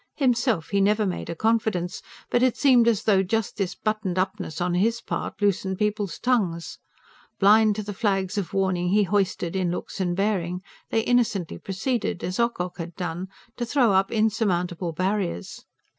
Himself he never made a confidence; but it seemed as though just this buttoned upness on his part loosened people's tongues. Blind to the flags of warning he hoisted in looks and bearing, they innocently proceeded, as Ocock had done, to throw up insurmountable barriers.